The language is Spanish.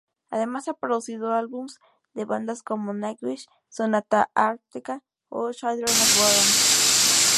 Además ha producido álbumes de bandas como Nightwish, Sonata Arctica o Children of Bodom.